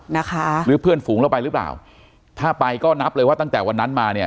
นะคะหรือเพื่อนฝูงเราไปหรือเปล่าถ้าไปก็นับเลยว่าตั้งแต่วันนั้นมาเนี่ย